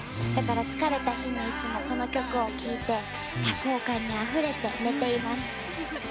だから、疲れた日にいつもこの曲を聴いて多幸感にあふれて寝ています。